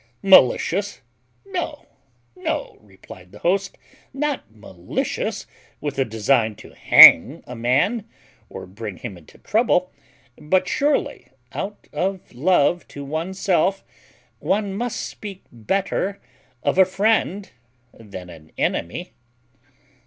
malicious; no, no," replied the host; "not malicious with a design to hang a man, or bring him into trouble; but surely, out of love to oneself, one must speak better of a friend than an enemy."